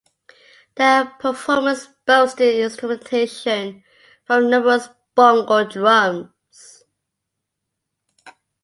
The performance boasted instrumentation from numerous bongo drums.